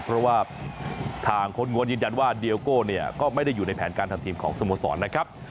เพราะว่าทางคนงวนยืนยันว่าเดียโก้เนี่ยก็ไม่ได้อยู่ในแผนการทำทีมของสโมสรนะครับ